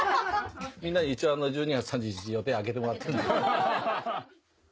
みんなに一応１２月３１日予定空けてもらってる。